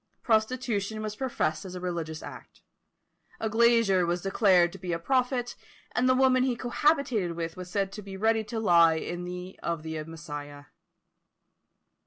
Prostitution was professed as a religious act; a glazier was declared to be a prophet, and the woman he cohabited with was said to be ready to lie in of the Messiah.